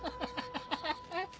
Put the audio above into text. ハハハハハ！